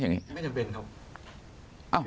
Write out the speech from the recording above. ไม่จำเป็นครับ